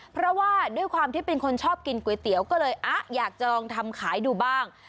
เพราะว่าด้วยความที่เป็นคนชอบกินก๋วยเตี๋ยวก็เลยอยากจะลองทำขายดูบ้าง